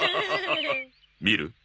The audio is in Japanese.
見る？